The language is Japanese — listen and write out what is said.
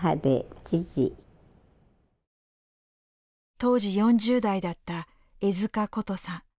当時４０代だった江塚ことさん。